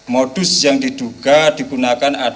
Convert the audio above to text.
modus yang diduga digunakan